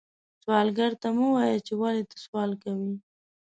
سوالګر ته مه وایې چې ولې ته سوال کوې